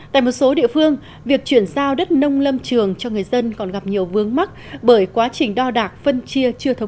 tái phân bổ đất nông lâm trường cho người dân tại hòa bình